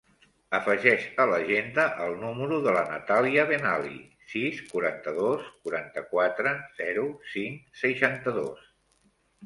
Afegeix a l'agenda el número de la Natàlia Benali: sis, quaranta-dos, quaranta-quatre, zero, cinc, seixanta-dos.